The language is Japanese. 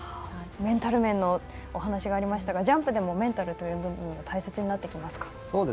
メンタル面のお話がありましたがジャンプでもメンタルは大事になってきますか？